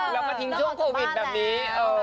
แล้วมาทิ้งช่วงโควิดแบบนี้